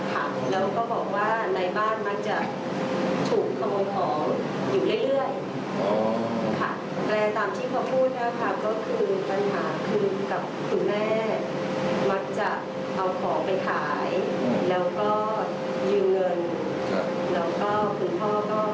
แล้วก็คุณพ่อก็คอยตัดเตือนนะคะ